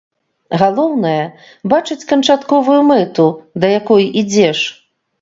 Галоўнае, бачыць канчатковую мэту, да якой ідзеш.